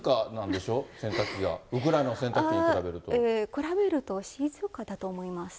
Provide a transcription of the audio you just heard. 比べると、静かだと思います。